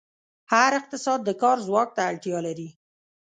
هر اقتصاد د کار ځواک ته اړتیا لري.